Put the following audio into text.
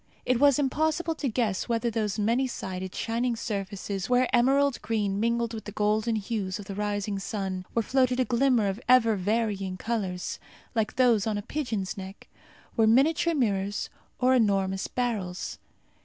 It was impossible to guess whether those many sided, shining surfaces, where emerald green mingled with the golden hues of the rising sun where floated a glimmer of ever varying colours, like those on a pigeon's neck, were miniature mirrors or enormous beryls.